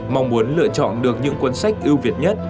mong muốn lựa chọn được những cuốn sách ưu việt nhất